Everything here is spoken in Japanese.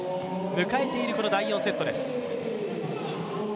迎えているこの第４セットです。